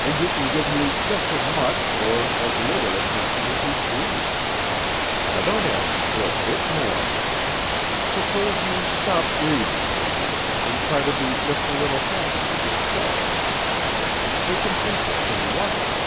And you can give me just as much or as little attention as you please. I don't ask you for a bit more. Suppose you stop grieving, Joan, and try to be just a little happier yourself. Take an interest in life.